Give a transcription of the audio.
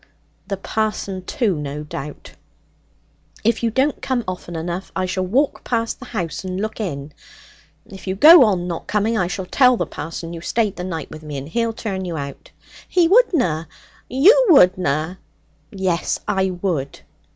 'The parson, too, no doubt. If you don't come often enough, I shall walk past the house and look in. If you go on not coming, I shall tell the parson you stayed the night with me, and he'll turn you out.' 'He wouldna! You wouldna!' 'Yes, I would.